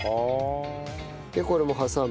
でこれも挟む。